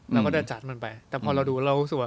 เราก็จะจัดมันไปแต่พอเราดูเราสวด